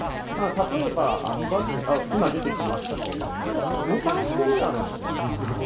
例えばバズ、今出てきましたが、ボタンがすごいあるんです。